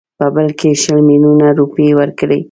په بدل کې شل میلیونه روپۍ ورکړي.